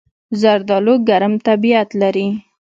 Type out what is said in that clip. زردالو ګرم طبیعت لري.